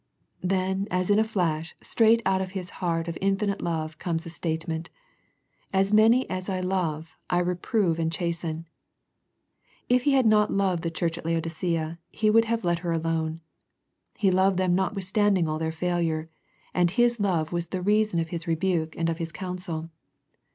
Then as in a flash, straight out of His heart of infinite love, comes a statement " As many as I love, I reprove and chasten." If He had not loved the church at Laodicea He would have let her alone. He loved them notwith standing all their failure, and His love was the reason of His rebuke and of His counsel.